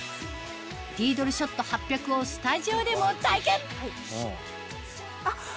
リードルショット８００をスタジオでも体験あっ！